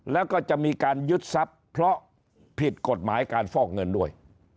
แล้วก็จะมีการยึดทรัพย์เพราะผิดกฎหมายการฟอกเงินด้วย